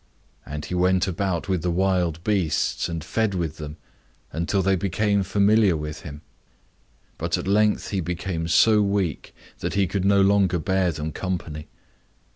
And he went about with the wild beasts, and fed with them, until they became familiar with him. But at length he became so weak that he could no longer bear them company.